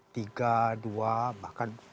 tiga dua bahkan